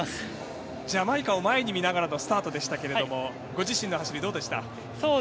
ジャマイカを前に見ながらのスタートでしたが、ご自身の走りどうでした？